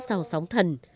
sau sóng thần